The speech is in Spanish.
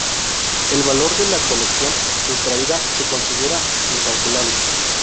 El valor de la colección sustraída se considera incalculable.